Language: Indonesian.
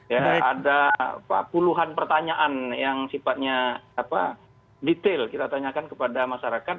ya ada puluhan pertanyaan yang sifatnya detail kita tanyakan kepada masyarakat